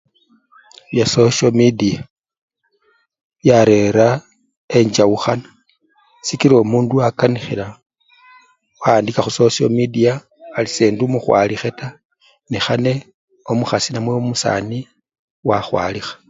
Bya sosyo mediya byarera enchawukhana sikila omundu akanikhila wawandika khu sosyo mediya ali sendi omukhwalikhe taa nekhane omukhasi namwe omusani wakhwalikha.